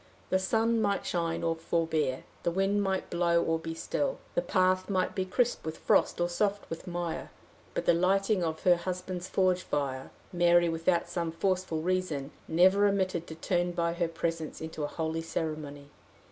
The sun might shine or forbear, the wind might blow or be still, the path might be crisp with frost or soft with mire, but the lighting of her husband's forge fire, Mary, without some forceful reason, never omitted to turn by her presence into a holy ceremony.